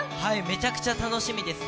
めちゃくちゃ楽しみです。